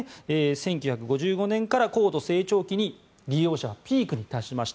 １９５５年から高度成長期に利用者はピークに達しました。